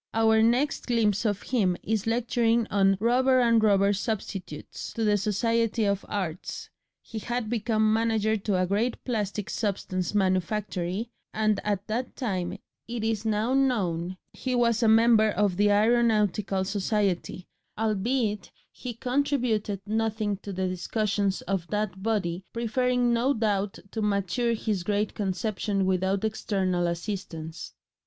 Our next glimpse of him is lecturing on "rubber and rubber substitutes," to the Society of Arts he had become manager to a great plastic substance manufactory and at that time, it is now known, he was a member of the Aeronautical Society, albeit he contributed nothing to the discussions of that body, preferring no doubt to mature his great conception without external assistance.